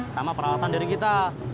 sama peralatan dari kita